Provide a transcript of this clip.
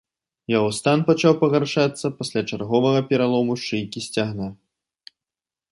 Яго стан пачаў пагаршацца пасля чарговага пералому шыйкі сцягна.